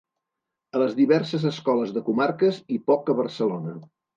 A les diverses escoles de comarques i poc a Barcelona.